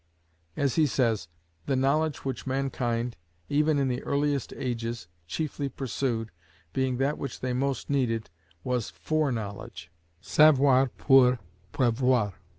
As he says, the knowledge which mankind, even in the earliest ages, chiefly pursued, being that which they most needed, was _fore_knowledge: "savoir, pour prevoir."